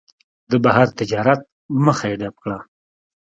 د بهر تجارت مخه یې ډپ کړه.